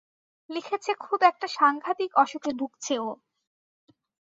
লিখেছে খুব একটা সাংঘাতিক অসুখে ভুগছে ও।